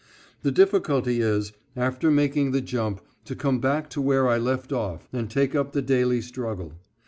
The difficulty is, after making the jump, to come back to where I left off and take up the daily struggle.